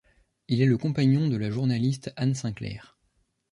Il est le compagnon de la journaliste Anne Sinclair.